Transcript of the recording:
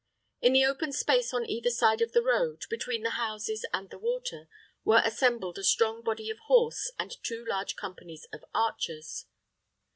In the open space on either side of the road, between the houses and the water, were assembled a strong body of horse and two large companies of archers.